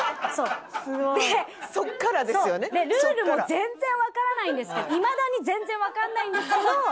ルールも全然わからないいまだに全然わからないんですけど。